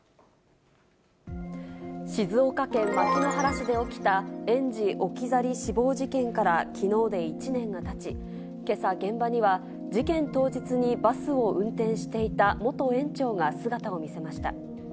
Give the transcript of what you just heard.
静岡県牧之原市で起きた、園児置き去り死亡事件からきのうで１年がたち、けさ、現場には事件当日にバスを運転していた元園長が姿を見せました。